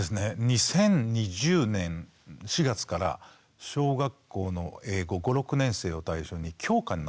２０２０年４月から小学校の英語５６年生を対象に教科になったんですね。